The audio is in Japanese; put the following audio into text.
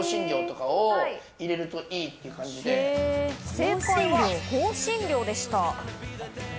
正解は香辛料でした。